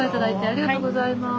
ありがとうございます。